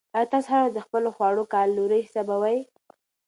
آیا تاسو هره ورځ د خپلو خواړو کالوري حسابوئ؟